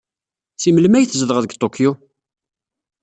Seg melmi ay tzedɣeḍ deg Tokyo?